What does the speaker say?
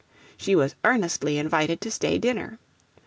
She was earnestly invited to stay dinner.